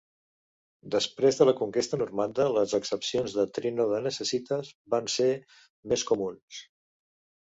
Després de la conquesta normanda, les exempcions de "trinoda necessitas" van ser més comuns.